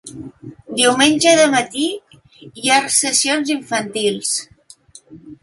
Diumenge de matí hi ha sessions infantils.